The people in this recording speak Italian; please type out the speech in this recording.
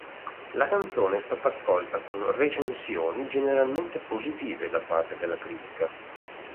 La canzone è stata accolta con recensioni generalmente positive da parte della critica.